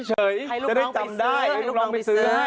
จะได้จำได้ให้ลูกน้องไปซื้อให้